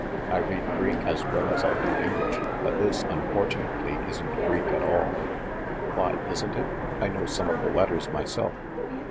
"I read Greek as well as I do Eng lish; but this, unfortunately, isn't Greek at all." "Why, isn't it ? I know some of the letters myself.